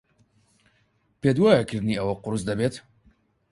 پێت وایە کردنی ئەوە قورس دەبێت؟